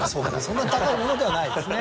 そんなに高いものではないですね。